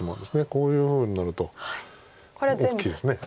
こういうふうになると大きいです。